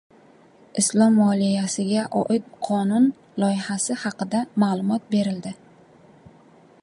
Islom moliyasiga oid qonun loyihasi haqida ma’lumot berildi